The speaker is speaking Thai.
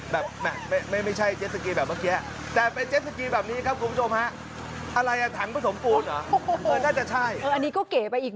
แบบนั้นไม่ใช่เจ็ตสกีแบบเมื่อกี้